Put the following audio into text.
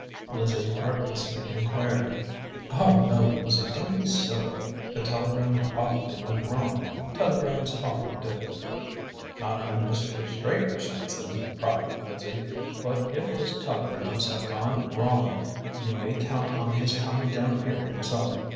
Lizzie artlessly inquired. "Oh, no, Lizzie; don't be silly. The telegram probably went wrong; telegrams often do." "Not when Mr. Straker sends them," proffered Lizzie. "But if his telegrams have gone wrong, you may count on his coming down here himself.